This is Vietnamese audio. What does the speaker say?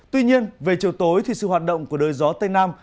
tuy nhiên về chiều tối thì sự hoạt động của đới gió tây nam